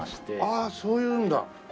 ああそういうんだ。